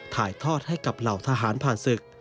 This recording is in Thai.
ถ่ายทอดให้กับเหล่าทหารผ่านศึก